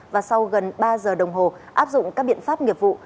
và sau gần ba giờ đồng hồ áp dụng các biện pháp nghiệp vụ